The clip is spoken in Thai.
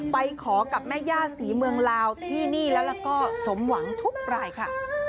ไปขอกับแม่ย่าศรีเมืองลาวที่นี่แล้วก็สมหวังทุกรายค่ะ